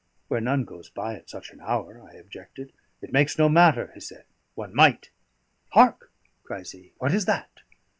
"Where none goes by at such an hour," I objected. "It makes no matter," he said. "One might. Hark!" cries he. "What is that?"